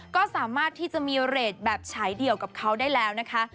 ก็สามารถที่จะมีเรทแบบฉายเดี่ยวกับเขาได้แล้วนะคะ